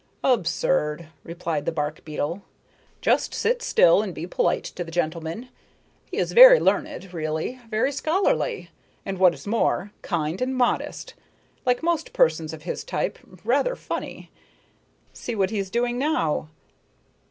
"Absurd," replied the bark beetle, "just sit still and be polite to the gentleman. He is very learned, really, very scholarly, and what is more, kind and modest and, like most persons of his type, rather funny. See what he's doing now!"